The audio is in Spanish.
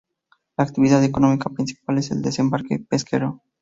La actividad económica principal es el desembarque pesquero.